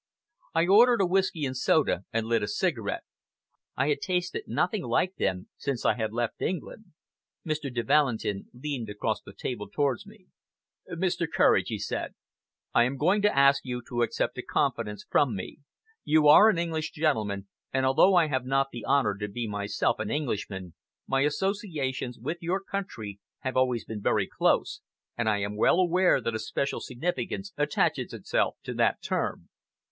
I ordered a whisky and soda and lit a cigarette. I had tasted nothing like them since I had left England. Mr. de Valentin leaned across the table towards me. "Mr. Courage," he said, "I am going to ask you to accept a confidence from me. You are an English gentleman, and although I have not the honor to be myself an Englishman, my associations with your country have always been very close, and I am well aware that a special significance attaches itself to that term."